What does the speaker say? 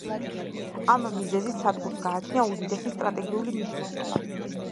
ამ მიზეზით სადგურს გააჩნია უდიდესი სტრატეგიული მნიშვნელობა.